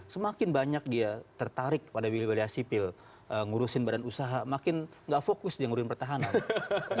semakin banyak dia tertarik pada wilayah wilayah sipil ngurusin badan usaha makin nggak fokus dia ngurusin pertahanan